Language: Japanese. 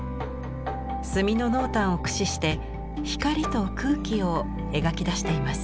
墨の濃淡を駆使して光と空気を描き出しています。